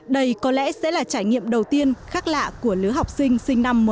đây có lẽ sẽ là trải nghiệm đầu tiên khác lạ của lứa học sinh sinh năm một nghìn chín trăm chín mươi chín